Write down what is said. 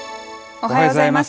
おはようございます。